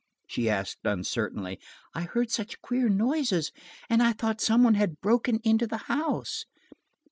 she asked uncertainly. "I heard such queer noises, and I thought some one had broken into the house."